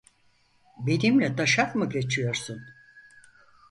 Benimle taşak mı geçiyorsun?